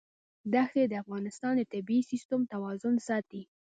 دښتې د افغانستان د طبعي سیسټم توازن ساتي.